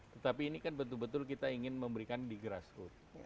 tetapi ini kan betul betul kita ingin memberikan di grassroot